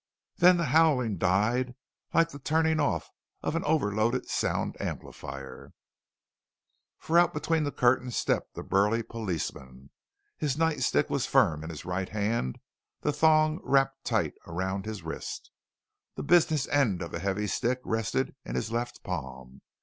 Then the howling died like the turning off of an overloaded sound amplifier. For out between the curtains stepped a burly policeman. His nightstick was firm in his right hand, the thong wrapped tight around his wrist. The business end of the heavy stick rested in his left palm.